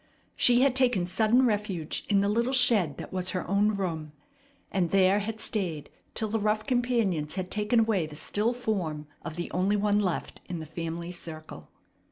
She had taken sudden refuge in the little shed that was her own room, and there had stayed till the rough companions had taken away the still form of the only one left in the family circle.